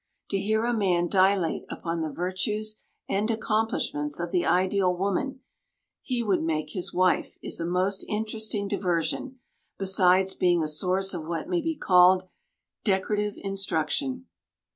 To hear a man dilate upon the virtues and accomplishments of the ideal woman he would make his wife is a most interesting diversion, besides being a source of what may be called decorative instruction.